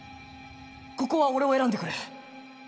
ここは俺を選んでくれ。